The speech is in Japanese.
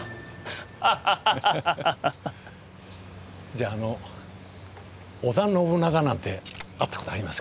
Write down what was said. じゃああの織田信長なんて会ったことありますか？